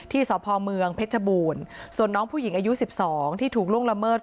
สพเมืองเพชรบูรณ์ส่วนน้องผู้หญิงอายุ๑๒ที่ถูกล่วงละเมิด